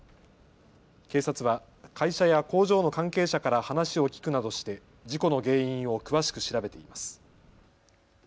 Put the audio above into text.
警察は会社や工場の関係者から話を聞くなどして事故の原因を詳しく調べています。